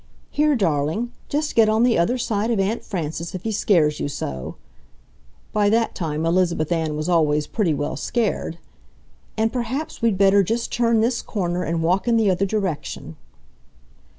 ... Here, darling, just get on the other side of Aunt Frances if he scares you so" (by that time Elizabeth Ann was always pretty well scared), "and perhaps we'd better just turn this corner and walk in the other direction."